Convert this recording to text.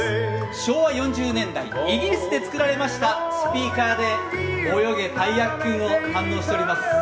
昭和４０年代、イギリスで作られましたスピーカーで「およげ！たいやきくん」を堪能しております。